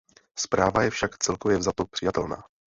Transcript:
Zpráva je však, celkově vzato, přijatelná.